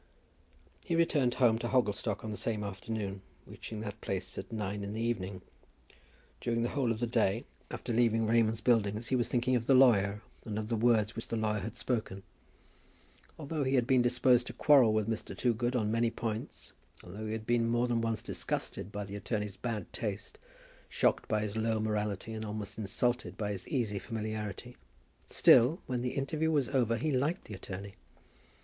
He returned home to Hogglestock on the same afternoon, reaching that place at nine in the evening. During the whole of the day after leaving Raymond's Buildings he was thinking of the lawyer, and of the words which the lawyer had spoken. Although he had been disposed to quarrel with Mr. Toogood on many points, although he had been more than once disgusted by the attorney's bad taste, shocked by his low morality, and almost insulted by his easy familiarity, still, when the interview was over, he liked the attorney.